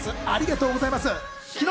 ありがとうございます。